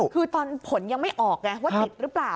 คือตอนผลยังไม่ออกไงว่าติดหรือเปล่า